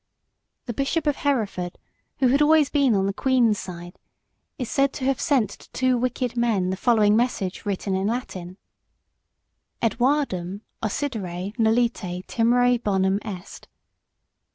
The Bishop of Hereford, who had always been on the queen's side, is said to have sent to two wicked men the following message written in Latin "Edwardum occidere nolite timere bonum est."